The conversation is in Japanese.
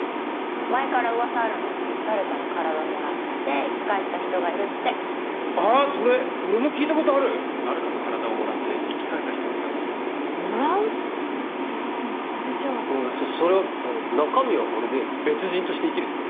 前から噂あるの誰かの体をもらって生き返った人がいるってああそれ俺も聞いたことある誰かの体をもらって生き返った人がいたそうですもらうってでもそれじゃあそれは中身は俺で別人として生きるってこと？